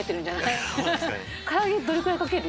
唐揚げどれくらいかける？